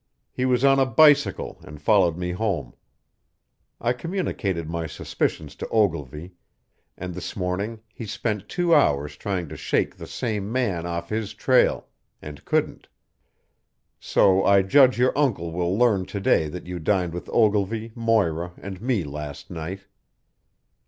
He was on a bicycle and followed me home. I communicated my suspicions to Ogilvy, and this morning he spent two hours trying to shake the same man off his trail and couldn't. So I judge your uncle will learn to day that you dined with Ogilvy, Moira, and me last night."